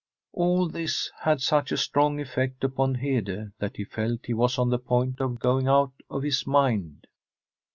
All this had such a strong effect upon Hede that he felt he was on the point of going out of his mind.